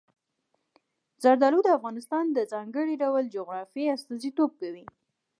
زردالو د افغانستان د ځانګړي ډول جغرافیې استازیتوب کوي.